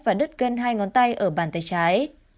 và đứt kênh hai ngón tay ở bàn tay trái